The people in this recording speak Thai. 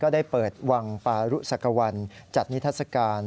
ได้เปิดวังปารุสักวันจัดนิทัศกาล